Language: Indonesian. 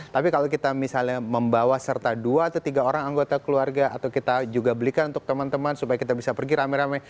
tapi kalau kita misalnya membawa serta dua atau tiga orang anggota keluarga atau kita juga belikan untuk teman teman supaya kita bisa pergi rame rame